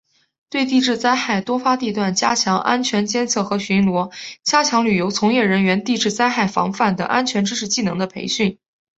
对地质灾害多发地段加强安全监测和巡查；加强旅游从业人员地质灾害防范等安全知识技能的培训